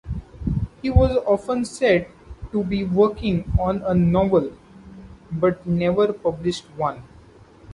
He was often said to be working on a novel, but never published one.